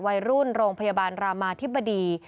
วัยรุ่นโรงพยาบาลรามาธิบดี